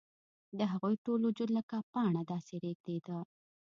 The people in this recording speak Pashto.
د هغې ټول وجود لکه پاڼه داسې رېږدېده